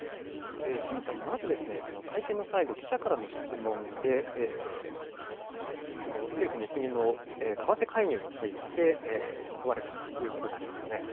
清水さん、まず会見の最後、記者からの質問で政府・日銀の為替介入について問われたということがありましたね。